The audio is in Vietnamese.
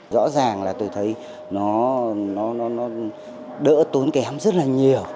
rõ ràng là tôi thấy nó đỡ tốn kém rất là nhiều